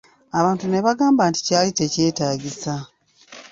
Abantu ne bagamba nti kyali tekyetaagisa.